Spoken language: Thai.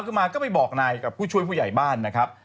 ก็มาก็ไปบอกนายกับผู้ช่วยผู้ใหญ่บ้าน